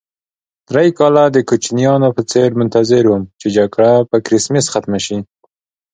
درې کاله د کوچنیانو په څېر منتظر وم چې جګړه په کرېسمس ختمه شي.